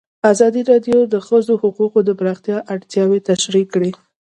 ازادي راډیو د د ښځو حقونه د پراختیا اړتیاوې تشریح کړي.